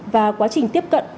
và quá trình tiếp cận